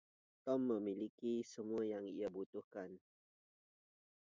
Tom memiliki semua yang ia butuhkan.